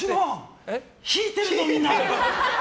引いてるぞ、みんな！